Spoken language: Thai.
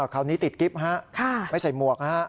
คราวนี้ติดกิ๊บฮะไม่ใส่หมวกฮะ